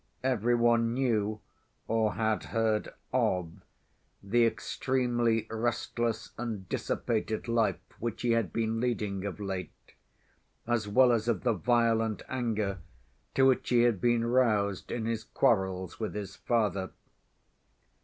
Every one knew, or had heard of, the extremely restless and dissipated life which he had been leading of late, as well as of the violent anger to which he had been roused in his quarrels with his father.